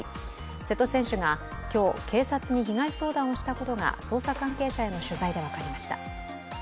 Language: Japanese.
瀬戸選手が今日、警察に被害相談をしたことが捜査関係者への取材で分かりました。